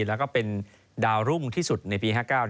แล้วก็เป็นดาวรุ่งที่สุดในปี๕๙